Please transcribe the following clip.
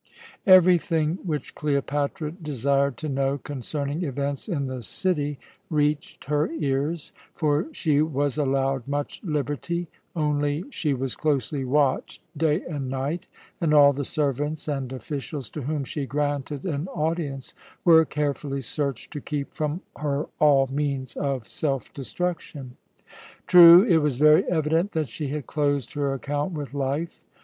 Everything which Cleopatra desired to know concerning events in the city reached her ears; for she was allowed much liberty only she was closely watched day and night, and all the servants and officials to whom she granted an audience were carefully searched to keep from her all means of self destruction. True, it was very evident that she had closed her account with life.